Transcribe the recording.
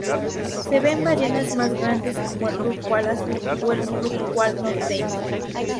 Se ven ballenas más grandes como el rorcual azul, o el rorcual norteño.